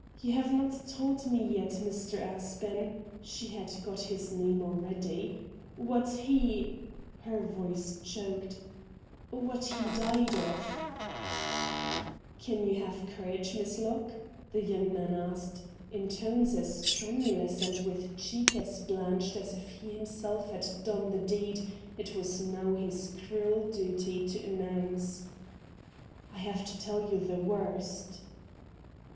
You have not told me yet, Mr. Aspen '— she had got his name already —' what he '— her voice choked —' what he died of.' THE CULTURE COLLEGE 187 ' Can you have courage, Miss Locke ?' the young man asked, in tones as tremulous and with cheek as blanched as if he himself had done the deed it was now his cruel duty to announce. ' I have to tell you the worst.'